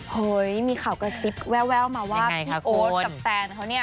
เฮ้ยมีข่าวกระซิบแววมาว่าพี่โอ๊ตกับแฟนเขาเนี่ย